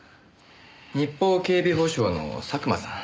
日邦警備保障の佐久間さん。